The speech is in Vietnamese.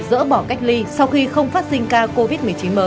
dỡ bỏ cách ly sau khi không phát sinh ca covid một mươi chín mới